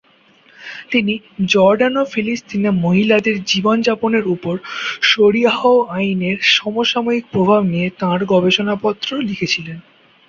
তিনি "জর্ডান ও ফিলিস্তিনে মহিলাদের জীবন-যাপনের উপর শরিয়াহ আইনের সমসাময়িক প্রভাব" নিয়ে তাঁর গবেষণাপত্র লিখেছিলেন।